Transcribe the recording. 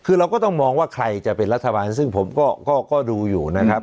คือเราก็ต้องมองว่าใครจะเป็นรัฐบาลซึ่งผมก็ดูอยู่นะครับ